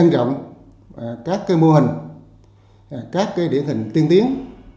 rồi tâm trí sẽ hơn